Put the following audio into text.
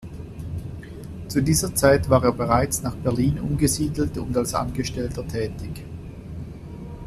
Zu dieser Zeit war er bereits nach Berlin umgesiedelt und als Angestellter tätig.